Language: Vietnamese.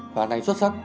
và thành xuất sắc